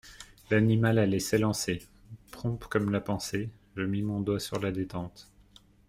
L'animal allait s'élancer ! Prompt comme la pensée, je mis mon doigt sur la détente.